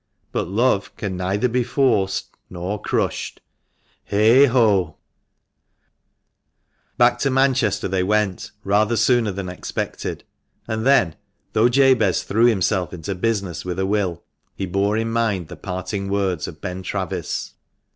But love can neither be forced nor crushed. Heigho !"Back to Manchester they went, rather sooner than expected ; and then, though Jabez threw himself into business with a will, he bore in mind the parting words of Ben Travis.